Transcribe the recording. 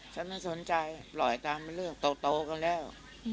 ฉันไม่สนใจปล่อยตามเป็นเรื่องโตกันแล้ว